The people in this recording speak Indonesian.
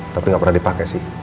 tapi gak pernah dipake sih